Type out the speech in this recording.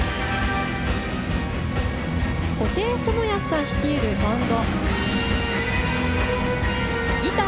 布袋寅泰さん率いるバンド。